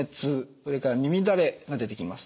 それから耳だれが出てきます。